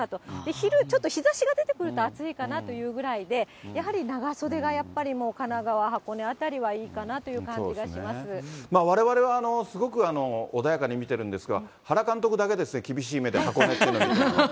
昼ちょっと、日ざしが出てくると、暑いかなというぐらいで、やはり長袖がやはりもう神奈川・箱根辺りはいいかなという感じがわれわれはすごく穏やかに見てるんですが、原監督だけですね、厳しい目で箱根っていうのを見てるのは。